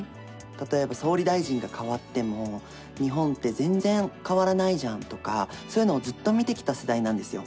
例えば総理大臣が代わっても、日本って全然変わらないじゃんとか、そういうのをずっと見てきた世代なんですよ。